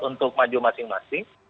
untuk maju masing masing